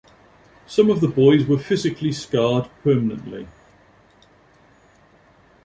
Some of the boys were physically scarred permanently.